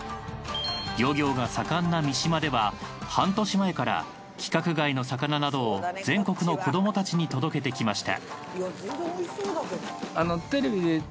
漁業が盛んな見島では半年前から規格外の魚などを全国の子どもたちに届けてきました。